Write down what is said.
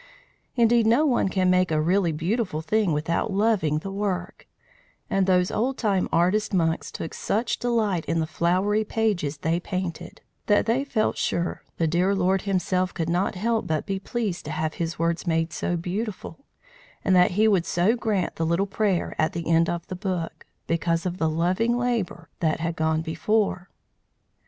Indeed, no one can make a really beautiful thing without loving the work; and those old time artist monks took such delight in the flowery pages they painted, that they felt sure the dear Lord himself could not help but be pleased to have his words made so beautiful, and that he would so grant the little prayer at the end of the book, because of the loving labour that had gone before.